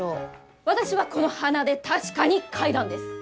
私はこの鼻で確かに嗅いだんです！